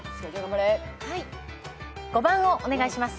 ５番をお願いします。